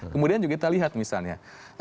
kemudian kita lihat misalnya